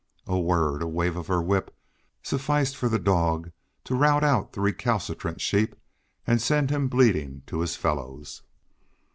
A word, a wave of her whip sufficed for the dog to rout out the recalcitrant sheep and send him bleating to his fellows.